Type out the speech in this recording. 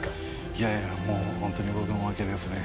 いやいやもう本当に僕の負けですね。